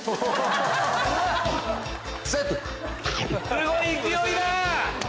すごい勢いだ！